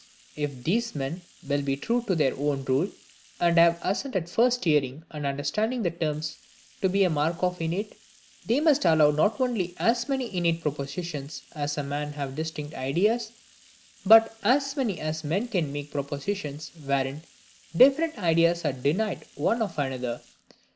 If these men will be true to their own rule, and have assent at first hearing and understanding the terms to be a mark of innate, they must allow not only as many innate propositions, as men have distinct ideas; but as many as men can make propositions wherein, different ideas are denied one of another.